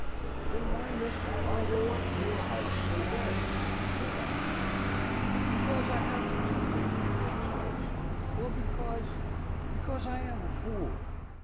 "'Then, why, miss, are those dear eyes so red?' say I. "'Because I have the toothache,' she says, 'or because because I am a fool.'